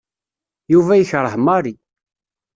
Yuba yekreh Mary.